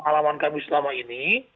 pertama yang kami selama ini